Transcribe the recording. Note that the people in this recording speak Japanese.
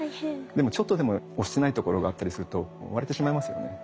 でもちょっとでも押してないところがあったりすると割れてしまいますよね。